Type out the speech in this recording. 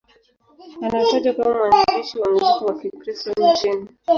Anatajwa kama mwanzilishi wa muziki wa Kikristo nchini.